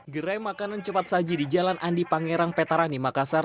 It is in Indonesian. gerai makanan cepat saji di jalan andi pangerang petarani makassar